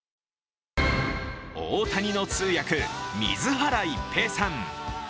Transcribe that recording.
大谷の通訳、水原一平さん。